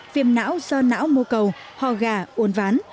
viêm não do não mô cầu ho gà uốn ván